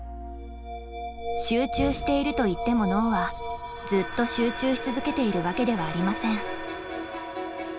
集中しているといっても脳はずっと集中し続けているわけではありません。